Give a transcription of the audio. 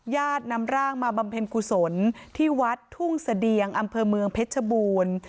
ญาตินำร่างมาบำเพ็ญกุศลที่วัดทุ่งเสดียงอำเภอเมืองเพชรบูรณ์